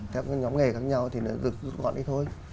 theo cái nhóm nghề khác nhau thì nó rút gọn đi thôi